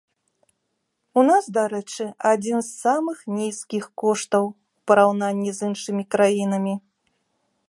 У нас, дарэчы, адзін з самых нізкіх коштаў у параўнанні з іншымі краінамі!